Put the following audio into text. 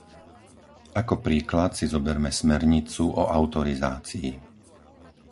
Ako príklad si zoberme smernicu o autorizácii.